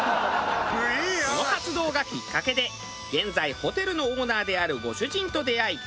この活動がきっかけで現在ホテルのオーナーであるご主人と出会い結婚。